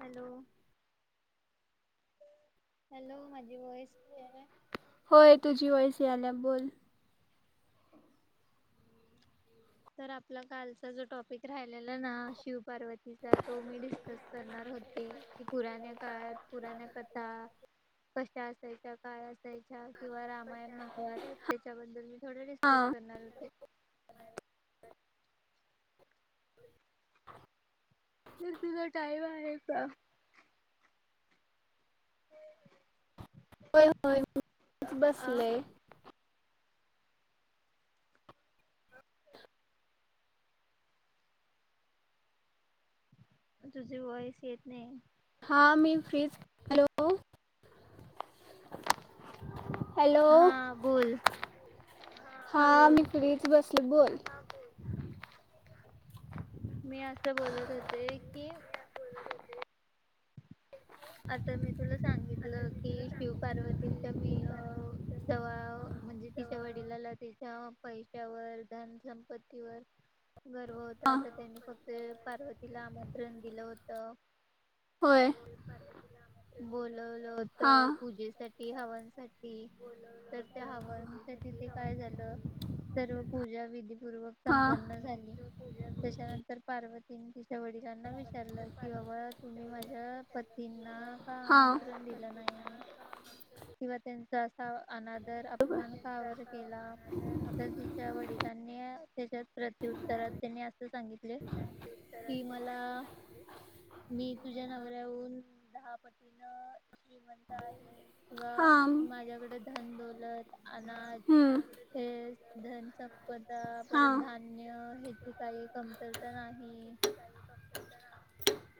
Hello hello माझी voice clear हाय? होय. तुझी वॉइस यायला बोल तर आपला कालचा जो टॉपिक राहिलेला ना शिव पार्वतीचा तो मी डिस्कस करणार होते की पुराण्या काळात, पुराण्या कथा कशा असायच्यां, काय असाय च्या किंवा रामायण महाभारत त्याच्याबद्दल मी थोडे डिस्कस हां करणार होते. तर तुला टाईम आहे का? होय होय [unintelligible] नच अ बसले. तुझे व्हाईस येत नई. हा मी फ्री च हॅलो अ हॅलो, हा बोल हा, हा मी फ्री च बस [unintelligible] बोल, हा बोल मी असं बोलत होते की आता मी तुला सांगितलं की, शिव पार्वतीच्या मी अ जवा म्हणजे तिच्या वडिलाला ते त्या पैशावर, धन संपत्तीवर गर्व होता, हां त त्यांनी फक्त पार्वतीला आमंत्रण दिलं होतं. होय, [unintelligible] पार्वतीला बोलव ल होत पूजेसाठी हवन सठी तर त्या हवनच्या तिथे काय झालं, सर्व पूजा विधपूर्वक हां संपन्न झाली, त्याच्यानंतर पार्व तिन तिच्या वडिलांना विचारलं, की बाबा तुम्ही माझ्या पतींना का हां आमंत्रण दिलं नाई? किंवा त्यांचा असा अ अना तर अपमान का बर केला, तर तिच्या वडिलांनी [unintelligible] प्रत्युत्तरात त्यांनी असं सांगितले, कि मला मी तुझ्या नवऱ्याहून दहा पतीन श्रीम [unintelligible] किंवा हां माझ्याकड धन दौलत अनाज हं, हेच धन च सपदा हां परत धान्य हे ची काही कमतरता नाही.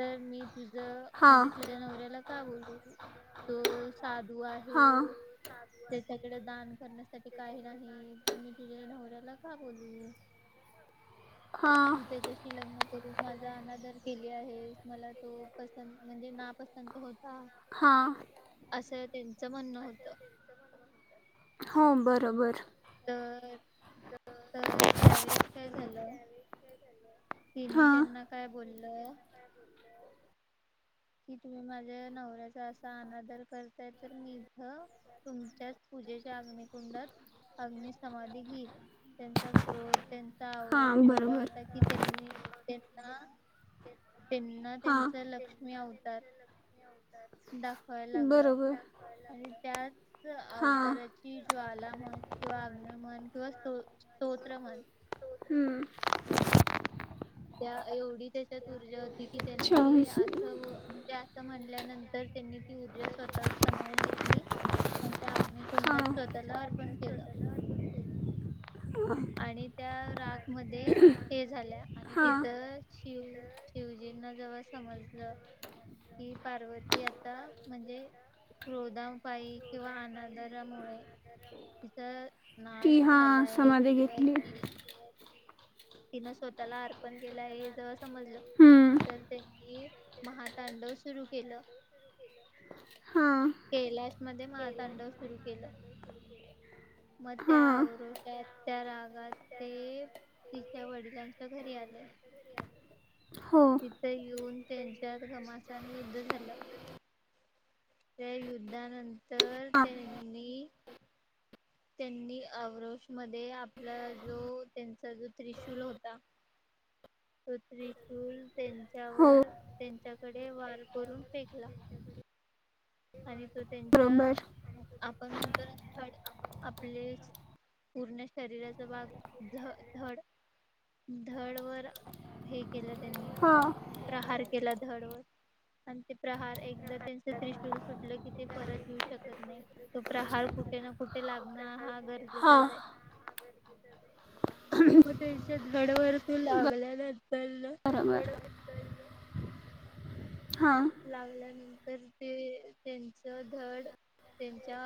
तर मी तुझं हां म्हणजे तुझ्या नवऱ्याला का बोलू तो साधू हां आहे, त्याच्याकडे दान करण्यासाठी काही नाही, तर मी तुझ्या नवऱ्याला का बोलू हां तू त्याच्याशी लग्न करू माझा अनादर केली आहे. मला तो पसंत म्हणजे ना पसंत होता, हां असं त्यांचं म्हणणं होत. हां बरंबरं तर त्यावेेळेस काय झालं तिनी हां त्यांना काय बोललं कि तुम्ही माझ्या नवऱ्याचा असा अनादर करताय तर मी इथ तुमच्याच पूजेच्या अग्निकुंडात अग्नि समाधी घेईल त्यांचा क्रोध त्यांचा हां आवरोश एवढा बरोबर होता की त्यांनी त्यांना त्यांना हां त्यांच लक्ष मी अवतार दाखवाय लागलं. बरोबर आणि त्याच हां अवताराची ज्वाला म्हण किंवा अग्नि म्हन किंवा सोत स्तोत्र म्हण हम्म त्या एवढी त्याच्यात ऊर्जा होती की त्यांनी चोवीस असं म ते असं म्हणल्यानंतर त्यांनी ती ऊर्जा स्वतःत समावून घेतली. अन त्या अग्नी कुंडात हां स्वतःला अर्पण केलं. आणि त्या राग मध्ये हे झाल्या आणि हां तिथं शिव शिव शिवजींना जेव्हा समजलं की, पार्वती आता म्हणजे क्रोदामपायी किंवा अनादराामुळे तिच नाश झालाय. वी किंवा घेतली. ती तिनं स्वतःला अर्पण केलं आहे हे जेव्हा समजलं हम्म. तर त्यांनी महातांडव सुरू केलं. [unintelligible] कैलाश मध्ये महातांडव सुरू केलं मग त्या हां औरोषात त्या रागात ते तिच्या वडिलांच्या घरी आले. हो तिथं येऊन त्यांच त्यात घमासाने युद्ध झालं. त्या युद्धानंतर हां त्यांनी त्यांनी आवरोष मध्ये आपला जो त्यांचा जो त्रिशूल होता तो त्रिशूल हो त्यांच्यावर त्यांच त्याकडे वार करून फेकला आणि तो बरोबर त्यांच्या आप पण म्हणतो ना धड आपले पूर्ण शरीराचा भाग झ धड धड वर हे केलं त्यांनी. हां प्रहार केला धडवर आणि ते प्रहार एकदा त्यांच त्रिशूल सुटलं की, ते परत येऊ शकत नाही. तो प्रहार कुठे ना कुठे लागण हा- हां गरजेचंच आहे. म त्याच्या धड वर ती लाग- [unintelligible] बरोबर. हां लागल ना. तर ते त्यांच धड त्यांच्या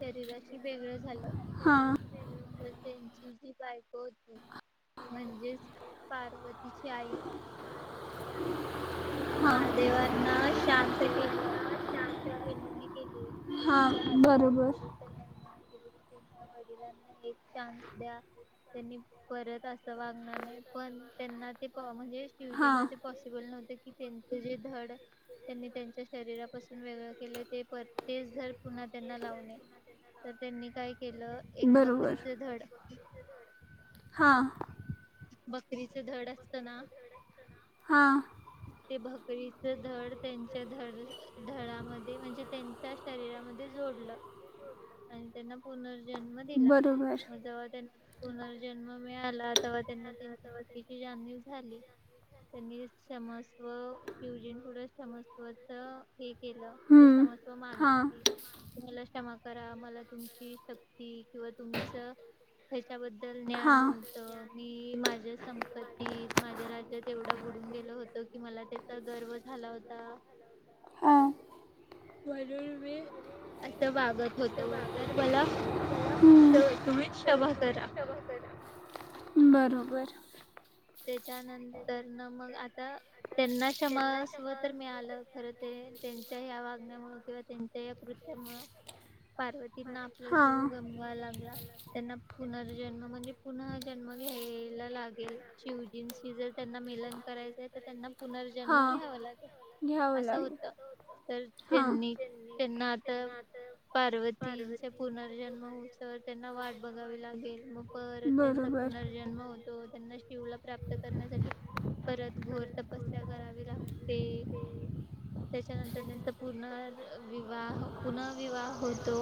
शरीराशी वेगळं झालं. हां तर त्यांची जी बायको होती म्हणजेच पार्वतीची आई- तिन हां महादेवांना शांत केलं. त्यांना विनवणी केली. हां हात पाय बरोबर जोडून त्यांना विन - [unintelligible] वडिलांना एक चान्स द्या त्यांनी परत अस वागणार नाही. पण त्यांना ते प म्हणजे हां शिवजींना ते पॉसिबल नव्हते- की त्यांच जे धड त्यांनी त्यांच्या शरीरापासून वेगळं केलंय ते पर तेच धड पुन्हा त्यांना लावू नये. तर त्यांनी काय केलं- एक बरोबर बकरीच धड- हां. बकरीचे धड असत ना? हा. ते भकरीच धड, त्यांच्या धड, -धडामध्ये म्हणजे त्यांच्या शरीरामध्ये जोडलं आणि त्यांना पुनर् जन्म दिला. बरोबर म जव त्यां- पुनर्जन्म मिळाला- तेव्हा त्यांना त्यांची चुकीची जाणीव झाली. त्यांनी क्षमस्व शिवजीं पुुढं क्षमस्वच हे केल हम्म. सम- सोमा हां आरती- मला क्षमा करा. मला तुमची शक्ती किंवा तुमच ह्या च्याबद्दल- हां ज्ञान होतं. माझ्या संपत्तीत, माझ्या राज्यात एवढं बुडून गेल होत कि, मला त्याचा गर्व झाला होता. हां म्हणून मी असं वागत होतो तर. मला श हम्म. तुम्ही क्षमा करा. बरोबर. त्याच्यानंतर ना, मग आता त्यांना क्षमस्व - तर मिळालं. खर ते त्यांच्या या वागण्यामु किंवा त्यांच्या [unintelligible] मुळे पार्वती- ना आपला हां जीव गमवावा लागला. त्यांना पुनर - जन्म म्हणजे पुन्हा जन्म घ्यायला लागेल. शिवजींची जर, त्यांना मिलन करायचंय तर त्यांना- पुनर्जन्म हां घ्यावा लागल घ्यावं असं लागेल होत. तर हां त्यांनी त्यांना आता पार्वतीचा पुनर्जन्म होइस्तोवर त्यांना वाट बघावी लागेल मग परत त्यांचा बरोबर पुनर्जन्म होतो त्यांना- प्राप्त करण्यासाठी परत घोर तपस - श्चर्या करावी लागते. त्याच्यानंतर त्यांचा पुर्न विवाह पु नर विवाह होतो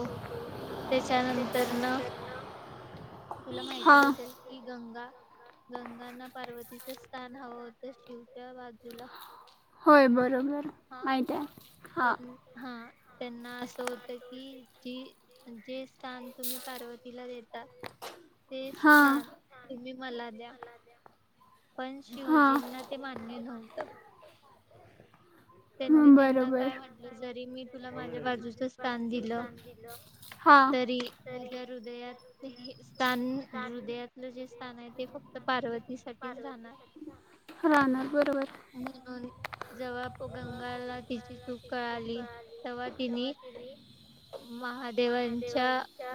त्याच्यानंतर ना, तुला माहितीच हां असेेल कि गंगा- गंगांना पार्वतीचं स्थान हवं होतं. शिवच्या बाजूला. होय बरोबर. हा माहित आहे. हा. त्यां हा त्यांना असं होत की, जी जे- स्थान तुम्ही पार्वतीला देतात. ते हां स्थान तुम्ही.. मला दया.... पण हां शिवाजींना ते मान्य नव्हतं.. त्यांनी हं, त्यांना बरोबर काय म्हटलं जरी मी तुला माझ्या बाजूच स्थान दिलं हां तरी माझ्या हृदयात स्थान हृदयातलं जे स्थान आहे ते फक्त पार्वतीसाठीच राहणार.... राहणार बरोबर म्हणून जवा.... व गंगाला तिची चूक कळाली तेव्हा तिने महादेवांच्या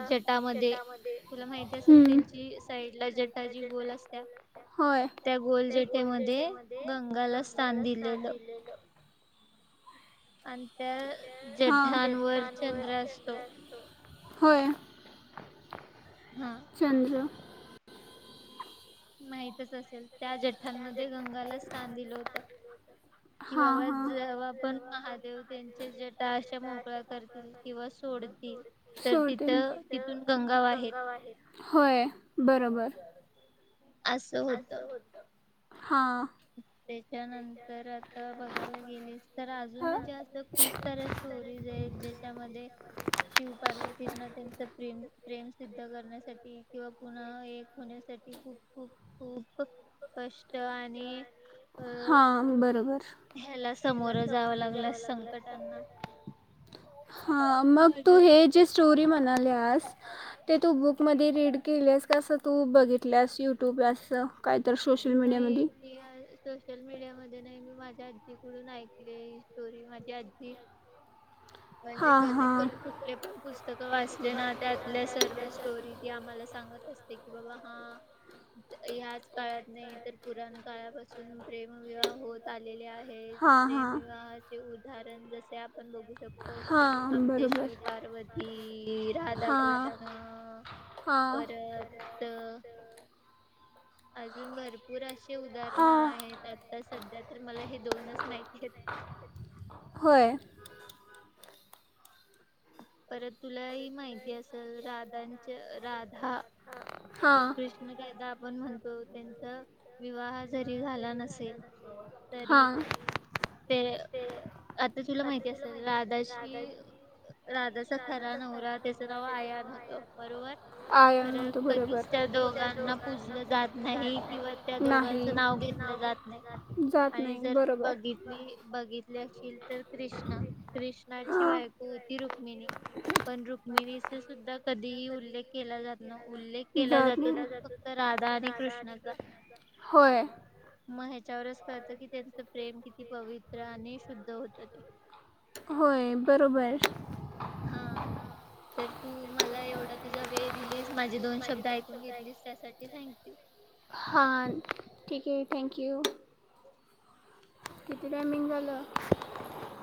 जटामध्ये तुला माहिती असेल हं, त्यांची साईडला जटा जी गोल असते होय त्या गोल जटेमध्ये... गंगाला स्थान दिलेलं... आणि त्या हां जठांवर चंद्र असतो... होय... हा चंद्र.. माहित... तच असेल त्या जठांमध्ये गंगाला स्थान दिलं होत कि हां बाबा हां जेव्हा पण महादेव त्यांचे जटा अशा मोकळ्या करतील किंवा सोडतील तर सोडते तिथ तिथून गंगा वाहेल.... होय बरोबर असं होत. हा. [inaudible] त्याच्यानंतर आता बघायला गेलीस तर अजून म्हणजे असं खूप साऱ्या स्टोरीज आहेत ज्याच्यामध्ये शिव पार्वतींना त्यांच प्रेम प्रेम सिद्ध करण्यासाठी किंवा पुन्हा एक होण्यासाठी खूप खूप खूप कष्ट आणि... अ हा बरोबर.... ह्याला समोर जावं लागलं संकटांना..... हा मग तू म्हणून हे जे स्टोरी म्हणा... असल्यास ते तू बुकमध्ये रीड केलेस का असं तू बघितल्यास युट्यूबला अस.... नाही सोशल मीडिया मधे नाही मी माझ... माझ्या आजी कडून ऐकले ही स्टोरी, माझी आजी.. म्हणजे हां कधी हां पण कुठले पण पुस्तक वाचले ना त्यातल्या सर्व स्टोरी ती आम्हाला.... सांगत असते कि बाबा हा ह्याच.... काळात नाही तर पुराण काळापासून प्रेमविवाह होत आलेले आहे.... त. हां प्रेम हां विवाह चे..... उदाहरण जसे आप... पण बघू शकतो हां आपले बरोबर शिव पार्वती हां राधाकृष्ण हां परत... अच.... अजून भरपूर असे उदाहरण हां आहेत आता सध्या तर मला हे दोनच माहिती आहेत होय परत तुला ह माहिती असेल राधांच्या रा... हा हां श्रीकृष्ण राधा आपण म्हणतो.. अं त्यांचा विवाह जरी झाला नसेल तरी हां ते अं आता तुला माहिती असल राधाशी राधाचा खरा नवरा त्याचं नाव आयान होतं बरोबर आय खरं नव्हतं बरोबर कधीच त्या दोघांना पूजलं जात नाही किंवा त्या नाही दोघांच नाव जात नाइ जात आणि नाही जर बरोबर बघितली बघितली अशील तर कृष्ण कृष्णाची हां बायको होती रुक मिनी पण रुक्मिणीचा सुद्धा कधीही उल्लेख केला जात नव उल्लेख केला जात जातो तो फक्त राधा नाही आणि कृष्णाचा होय मग हेच्यावरच कळतं कि त्यांचं प्रेम किती पवित्र आणि शुद्ध होत ते. होय बरोबर हा तर तू मला एवढा तुझा वेळ दिलीस माझे दोन शब्द ऐकून घेतलीस त्यासाठी थँक्यू. हां ठीक ओके थँक्यू. किती टामिंग झालं.